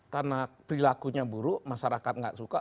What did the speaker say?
karena perilakunya buruk masyarakat nggak suka